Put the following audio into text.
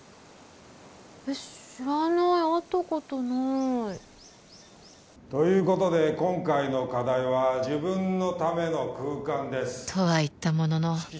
えっ知らない会ったことないということで今回の課題は「自分のための空間」ですとは言ったものの